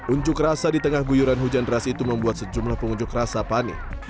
unjuk rasa di tengah guyuran hujan deras itu membuat sejumlah pengunjuk rasa panik